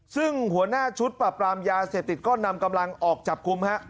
ซึ่งหัวหน้าชุดปรับปรามยาเสพติดก็นำกำลังออกจับกลุ่มฮะ